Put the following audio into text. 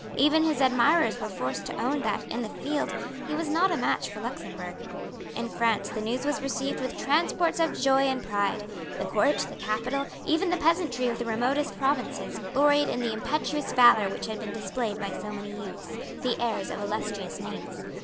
Even his admirers were forced to own that, in the field, he was not a match for Luxemburg. In France the news was received with transports of joy and pride. The Court, the Capital, even the peasantry of the remotest provinces, gloried in the impetuous valour which had been displayed by so many youths, the heirs of illustrious names.